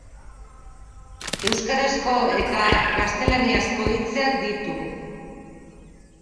Euskarazko eta gaztelaniazko hitzak ditu.